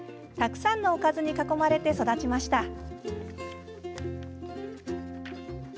たくさんのおかずに囲まれて育ちました。